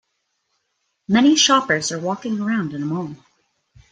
Many shoppers are walking around in a mall.